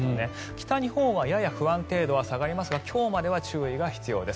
北日本はやや不安定度は下がりますが今日までは注意が必要です。